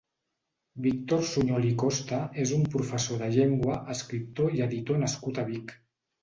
Víctor Sunyol i Costa és un professor de llengua, escriptor i editor nascut a Vic.